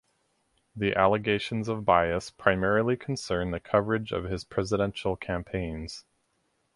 The allegations of bias primarily concern the coverage of his presidential campaigns.